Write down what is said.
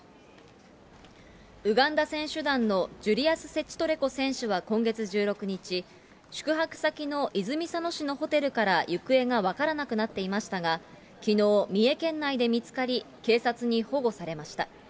ウガンダ選手団のジュリアス・セチトレコ選手は今月１６日、宿泊先の泉佐野市のホテルから行方が分からなくなっていましたが、きのう、三重県内で見つかり、警察に保護されました。